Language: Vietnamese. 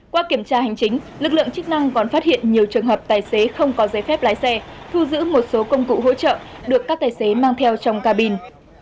qua kiểm tra hành chính lực lượng chức năng còn phát hiện nhiều trường hợp tài xế không có giấy phép lái xe thu giữ một số công cụ hỗ trợ được các tài xế mang theo trong cabin